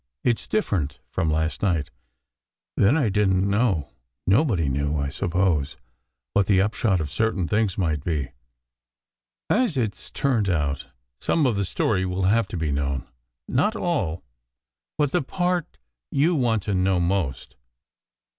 It s different from last night. Then I didn t know nobody knew, I suppose what the upshot of certain things might be. As it s turned out, some of the story will have to be known. Not all but the part you want to know most."